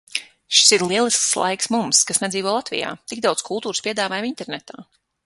Šis ir lielisks laiks mums, kas nedzīvo Latvijā. Tik daudz kultūras piedāvājumu internetā.